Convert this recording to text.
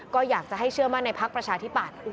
ก็อยากจะให้เชื่อมั่นในพักประชาธิปัตย์